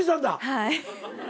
はい。